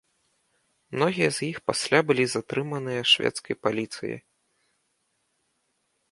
Многія з іх пасля былі затрыманыя шведскай паліцыяй.